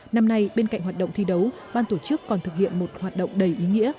năm nay bên cạnh hoạt động thi đấu ban tổ chức còn thực hiện một hoạt động đầy ý nghĩa